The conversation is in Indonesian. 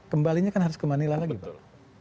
kembalinya kan harus ke manila lagi pak